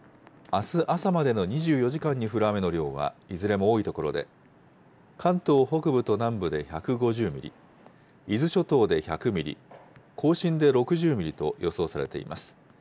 あす朝までの２４時間に降る雨の量はいずれも多い所で、関東北部と南部で１５０ミリ、伊豆諸島で１００ミリ、甲信で６０ミリと予想されています。